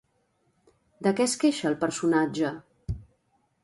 De què es queixa el personatge?